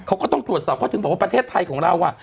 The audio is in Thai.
เขาก็ต้องตรวจสอบเขาถึงบอกว่าประเทศไทยของเรา